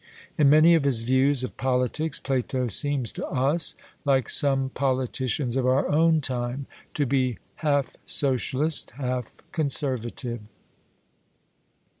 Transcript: In many of his views of politics, Plato seems to us, like some politicians of our own time, to be half socialist, half conservative.